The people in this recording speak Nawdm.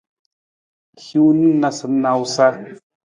Hiwung na nawusanawusa.